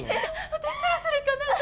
私そろそろ行かないと。